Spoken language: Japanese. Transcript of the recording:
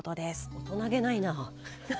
大人気ないな。